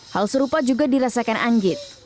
hal serupa juga dirasakan anggit